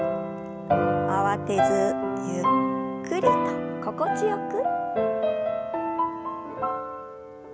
慌てずゆっくりと心地よく。